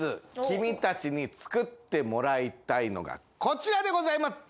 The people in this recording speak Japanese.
君たちに作ってもらいたいのがこちらでございます！